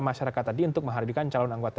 masyarakat tadi untuk menghadirkan calon anggota